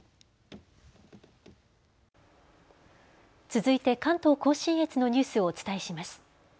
続いて関東甲信越のニュースをお伝えします。